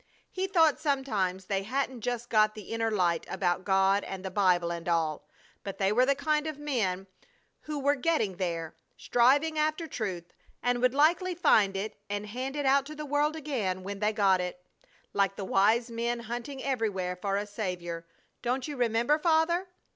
He thought sometimes they hadn't just got the inner light about God and the Bible and all, but they were the kind of men who were getting there, striving after truth, and would likely find it and hand it out to the world again when they got it; like the wise men hunting everywhere for a Saviour. Don't you remember, Father?"